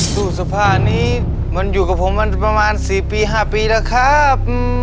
ตู้สภาพนี้มันอยู่กับผมประมาณสี่ปีห้าปีแล้วครับ